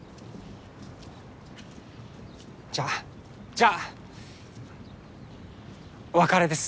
じゃあじゃあお別れです。